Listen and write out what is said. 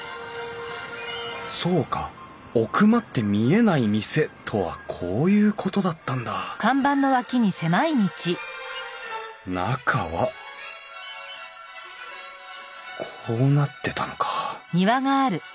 そうか「奥まって見えない店」とはこういうことだったんだ中はこうなってたのか。